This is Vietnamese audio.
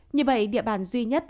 như vậy địa bàn duy nhất